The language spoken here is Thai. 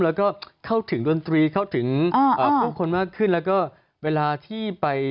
แล้วก็เข้าถึงดนตรีเข้าถึงผู้คนมากขึ้นแล้วก็เวลาที่ไป